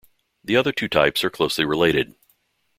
The other two types are closely related.